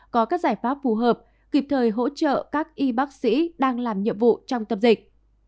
có các giải pháp phù hợp kịp thời hỗ trợ các y bác sĩ đang làm nhiệm vụ trong tâm dịch